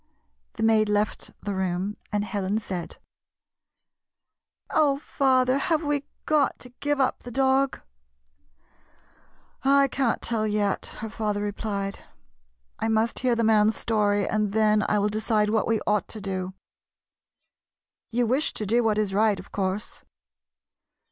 The maid left the room, and Helen said :" Oh, father, have we got to give up the dog?" " I can't tell yet," her father replied. " I must hear the mail's story, and then I will de cide what we ought to do. You wish to do what is right, of course